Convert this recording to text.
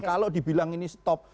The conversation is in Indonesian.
kalau dibilang ini stop